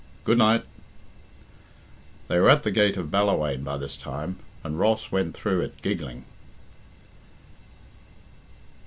Good night!" They were at the gate of Ballawhaine by this time, and Ross went through it giggling.